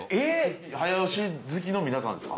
早押し好きの皆さんですか？